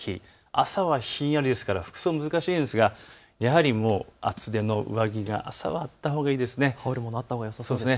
朝はひんやりですから服装、難しいですがやはり厚手の上着は朝はあったほうがよさそうです。